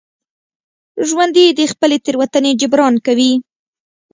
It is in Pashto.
ژوندي د خپلې تېروتنې جبران کوي